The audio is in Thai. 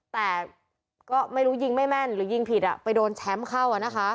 แต่ก็ไม่รู้ยิงไม่แม่นหรือยิงผิดไปโดนแชมป์เข้า